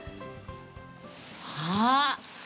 あっ！